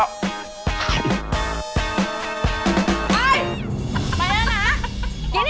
โอ้ยมีทั้งหมดอะไร๑๕จานนะ